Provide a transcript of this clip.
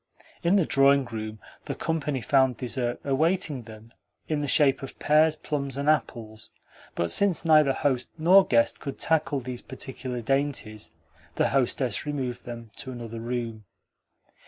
In the drawing room the company found dessert awaiting them in the shape of pears, plums, and apples; but since neither host nor guest could tackle these particular dainties the hostess removed them to another room.